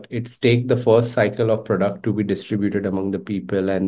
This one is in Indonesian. tapi itu mengambil proses pertama produk untuk dikumpulkan oleh orang orang